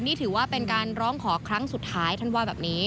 นี่ถือว่าเป็นการร้องขอครั้งสุดท้ายท่านว่าแบบนี้